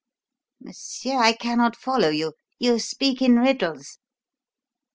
"Monsieur, I cannot follow you you speak in riddles."